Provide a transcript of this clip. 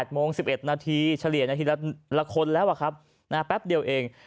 โมง๑๑นาทีเฉลี่ยนาทีละคนแล้วครับแป๊บเดียวเอง